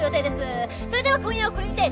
それでは今夜はこれにて。